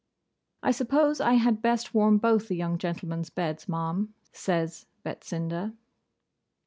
'I suppose I had best warm both the young gentlemen's beds, Ma'am,' says Betsinda.